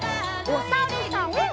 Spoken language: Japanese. おさるさん。